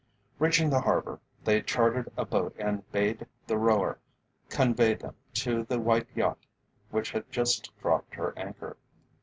Reaching the Harbour, they chartered a boat and bade the rower convey them to the white yacht which had just dropped her anchor.